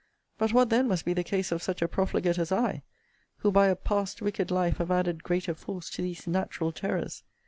But what then must be the case of such a profligate as I, who by a past wicked life have added greater force to these natural terrors?